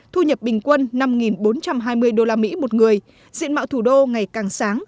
thu nhập bình quân năm bốn trăm hai mươi usd một người diện mạo thủ đô ngày càng sáng